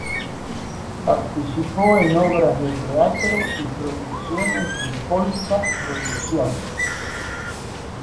Participó en obras de teatro y producciones de Pol-ka Producciones.